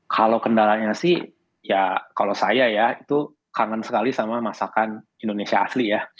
kalau kendalanya sih ya kalau saya ya itu kangen sekali sama masakan indonesia asli ya